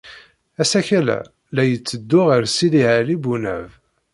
Asakal-a la yetteddu ɣer Sidi Ɛli Bunab.